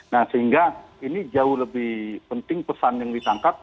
nah sehingga ini jauh lebih penting pesan yang ditangkap